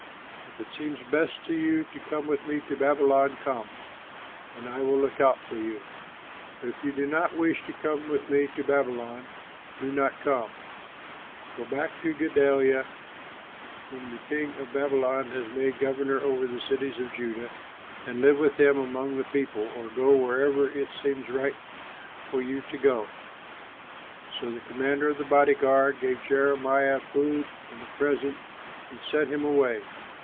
If it seems best to you to come with me to Babylon, come, and I will look out for you. But if you do not wish to come with me to Babylon, do not come; go back to Gedaliah, whom the king of Babylon has made governor over the cities of Judah, and live with him among the people, or go wherever it seems right for you to go." So the commander of the body guard gave Jeremiah food and a present, and sent him away.